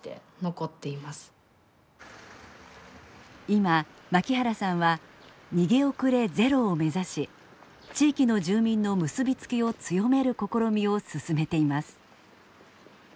今槙原さんは「逃げ遅れゼロ」を目指し地域の住民の結び付きを強める試みを進めています。